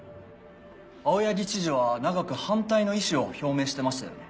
青柳知事は長く反対の意思を表明してましたよね？